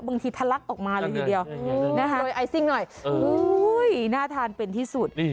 บางทีทะลักออกมาเลยอยู่เดียวโดยไอซิ่งหน่อยอุ้ยน่าทานเป็นที่สุด